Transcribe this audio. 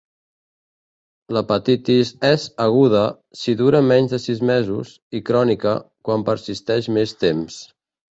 L'hepatitis és 'aguda' si dura menys de sis mesos, i 'crònica' quan persisteix més temps.